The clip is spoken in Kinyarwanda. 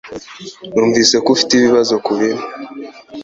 Numvise ko ufite ibibazo ku biro